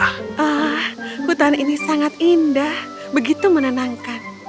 ah hutan ini sangat indah begitu menenangkan